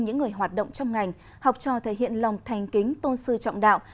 những người hoạt động trong ngành học trò thể hiện lòng thành kính tôn sư trọng đạo